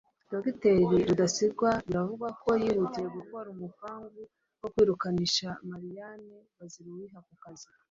Dr Rudasingwa biravugwa ko yihutiye gukora umupango wo kwirukanisha Marianne Baziruwiha ku kazi